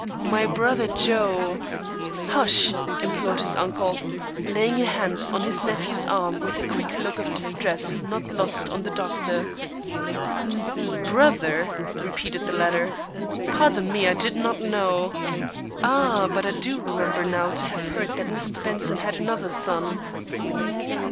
My brother Joe " "Hush!" implored his uncle, laying a hand on his nephew's arm with a quick look of distress not lost on the doctor. "Brother?" repeated the latter. "Pardon me, I did not know Ah, but I do remember now to have heard that Mr. Benson had another son."